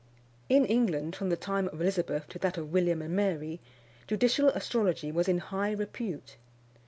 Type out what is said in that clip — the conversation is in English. In England, from the time of Elizabeth to that of William and Mary, judicial astrology was in high repute.